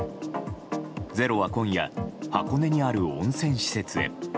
「ｚｅｒｏ」は今夜箱根にある温泉施設へ。